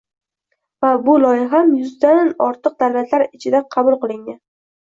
Va bu loyiham yuzdandan ortiq davlatlar ichidan qabul qilingan.